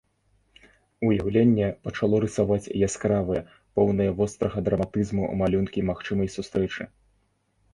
Уяўленне пачало рысаваць яскравыя, поўныя вострага драматызму малюнкі магчымай сустрэчы.